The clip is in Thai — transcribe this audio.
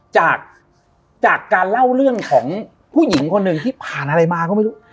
จากการเล่าเรื่องของผู้หญิงคนหนึ่งที่ผ่านอะไรมาก็ไม่รู้